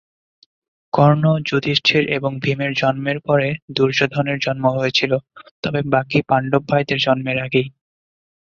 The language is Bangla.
কর্ণ, যুধিষ্ঠির এবং ভীমের জন্মের পরে দুর্যোধনের জন্ম হয়েছিল, তবে বাকী পাণ্ডব ভাইদের জন্মের আগেই।